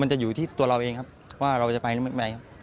จะอยู่ที่ตัวเราเองครับว่าเราจะไปหรือไม่ไปครับ